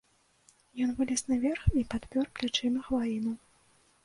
Ён вылез наверх і падпёр плячыма хваіну.